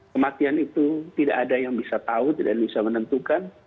kematian itu tidak ada yang bisa tahu tidak bisa menentukan